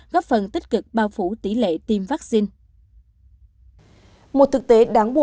góp phần tích cực bao phủ tỷ lệ tiêm vaccine